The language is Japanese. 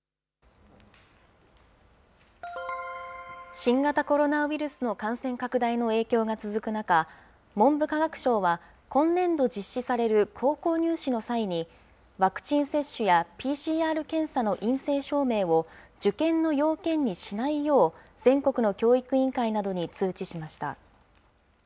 新型コロナウイルスの感染拡大の影響が続く中、文部科学省は今年度実施される高校入試の際に、ワクチン接種やＰＣＲ検査の陰性証明を、受験の要件にしないよう、全国の教育委員会などに通知しました。